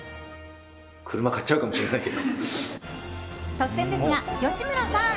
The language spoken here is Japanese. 突然ですが、吉村さん。